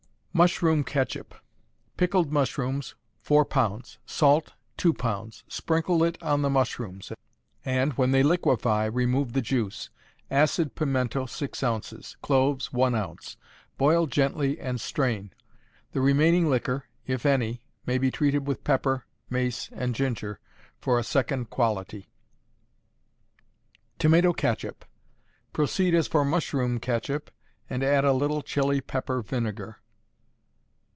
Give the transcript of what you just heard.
Mushroom Ketchup. Pickled mushrooms, 4 lbs.: salt, 2 lbs. Sprinkle it on the mushrooms; and, when they liquefy, remove the juice; acid pimento, 6 oz.; cloves, 1 oz.; boil gently and strain: the remaining liquor, if any, may be treated with pepper, mace and ginger for a second quality. Tomato Ketchup. Proceed as for mushroom ketchup, and add a little Chili pepper vinegar.